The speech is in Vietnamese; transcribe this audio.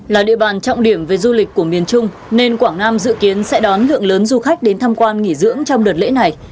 là địa bàn trọng điểm về du lịch của miền trung nên quảng nam dự kiến sẽ đón lượng lớn du khách đến tham quan nghỉ dưỡng trong đợt lễ này